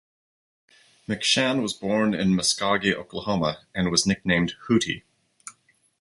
McShann was born in Muskogee, Oklahoma, and was nicknamed Hootie.